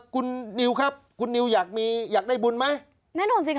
คุณนิวครับคุณนิวอยากมีอยากได้บุญไหมแน่นอนสิคะ